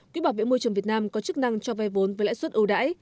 quỹ bảo vệ môi trường việt nam có chức năng cho vay vốn với lãi suất ưu đãi